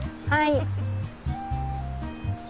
はい。